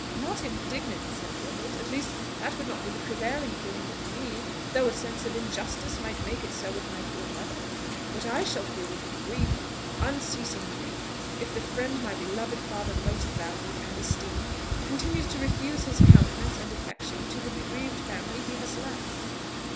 "Not indignant, Sir Gilbert; at least, that would not be the prevailing feeling with me, though a sense of injustice might make it so with my poor mother. What I shall feel will be grief unceasing grief, if the friend my beloved father most valued and esteemed continues to refuse his countenance and affection to the bereaved family he has left."